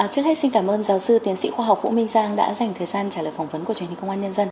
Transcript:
trước hết xin cảm ơn giáo sư tiến sĩ khoa học vũ minh giang đã dành thời gian trả lời phỏng vấn của truyền hình công an nhân dân